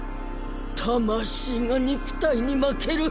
魂が肉体に負ける？